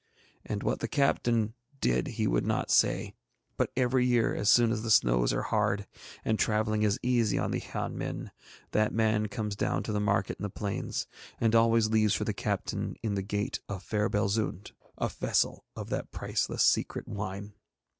And what the captain did he would not say; but every year as soon as the snows are hard, and travelling is easy on the Hian Min, that man comes down to the market in the plains, and always leaves for the captain in the gate of fair Belzoond a vessel of that priceless secret wine.